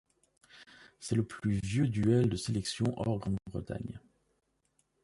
C'est le plus vieux duel de sélections hors Grande-Bretagne.